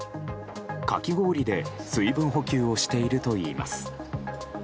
かき氷で水分補給をしているといいます。